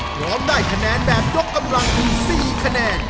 พร้อมได้คะแนนแบบยกกำลังถึง๔คะแนน